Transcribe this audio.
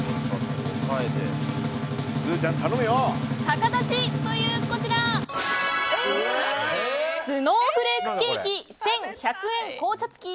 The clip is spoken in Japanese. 逆立ち！？という、こちらスノーフレークケーキ１１００円、紅茶付き。